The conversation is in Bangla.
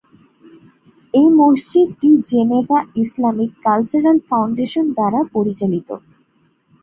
এই মসজিদটি জেনেভা ইসলামিক কালচারাল ফাউন্ডেশন দ্বারা পরিচালিত।